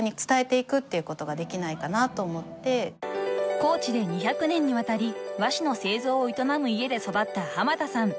［高知で２００年にわたり和紙の製造を営む家で育った浜田さん］